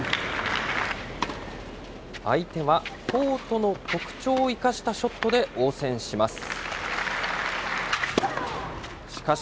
相手はコートの特徴を生かしたショットで応戦します。